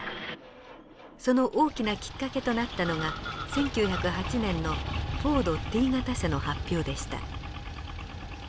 その大きなきっかけとなったのが１９０８年のフォードＴ型車の発表でした。